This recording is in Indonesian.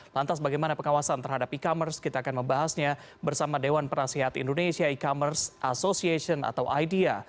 lantas bagaimana pengawasan terhadap e commerce kita akan membahasnya bersama dewan penasehat indonesia e commerce association atau idea